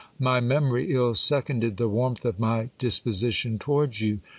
My memory ill seconded the warmth of my dispo sition towards you.